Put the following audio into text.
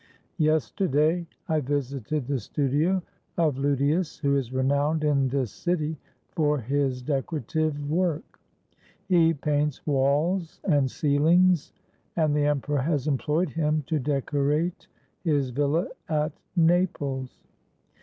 Yesterday I visited the studio of Ludius, who is renowned in this city for his decorative work. He paints walls and ceilings, and the emperor has employed him to decorate his villa at Naples.